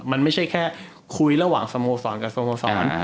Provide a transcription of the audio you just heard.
มันไม่ใช่แค่คุยระหว่างสโมสรกับสโมสร